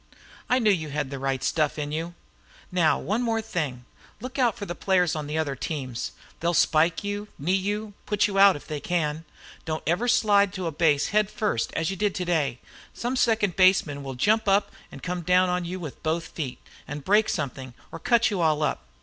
I knew you had the right stuff in you. Now, one thing more. Look out for the players on the other teams. They'll spike you, knee you, put you out, if they can. Don't ever slide to a base head first, as you did today. Some second baseman will jump up and come down on you with both feet, and break something, or cut you all up.